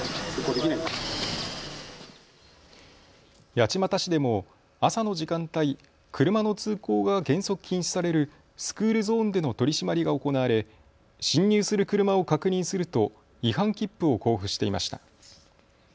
八街市でも朝の時間帯、車の通行が原則禁止されるスクールゾーンでの取締りが行われ進入する車を確認すると違反切符を交付していました。